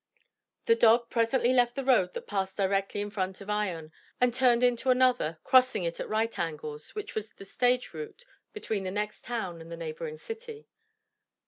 The dog presently left the road that passed directly in front of Ion, and turned into another, crossing it at right angles, which was the stage route between the next town and the neighboring city.